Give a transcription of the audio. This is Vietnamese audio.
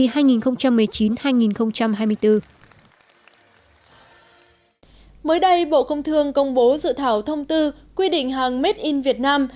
mới đây bộ công thương công bố dự thảo thông tư quy định hàng made in vietnam